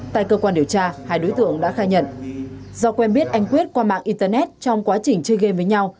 tại cơ quan điều tra hai đối tượng đã khai nhận do quen biết anh quyết qua mạng internet trong quá trình chơi game với nhau